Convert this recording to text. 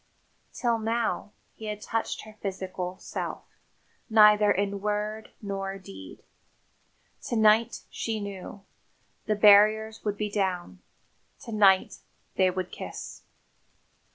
Till now, he had touched her physical self neither in word nor deed. To night, she knew, the barriers would be down; to night they would kiss.